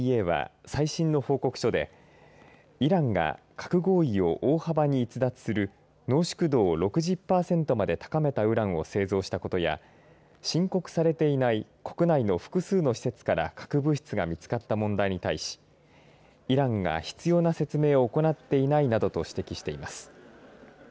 ＩＡＥＡは最新の報告書でイランが核合意を大幅に逸脱する濃縮度を６０パーセントまで高めたウランを製造したことや申告されていない国内の複数の施設から核物質が見つかった問題に対しイランが必要な説明を行っていないなどと指摘しています。